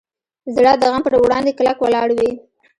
زړه د غم پر وړاندې کلک ولاړ وي.